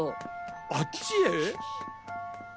あっちへ？